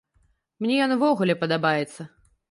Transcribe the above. Мне ён увогуле падабаецца.